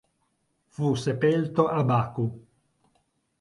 Fu sepelto a Baku.